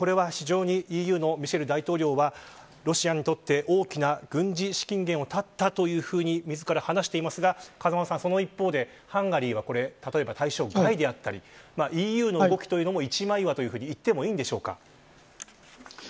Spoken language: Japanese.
ＥＵのミシェル大統領はロシアにとっては大きな軍事資金源を絶ったと自ら話していますが、風間さんその一方でハンガリーは例えば対象外だったりＥＵの動きも一枚岩といってもいいんでしょうか。